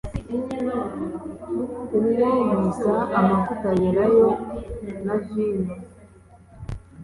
amwomoza amavuta ya elayo na vino